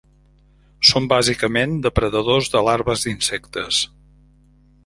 Són bàsicament depredadors de larves d'insectes.